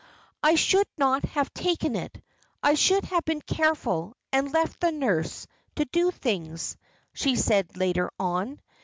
"I should not have taken it. I should have been careful and left the nurse to do things," she said later on.